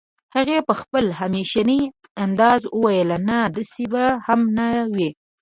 هغې په خپل همېشني انداز وويل نه داسې به هم نه وي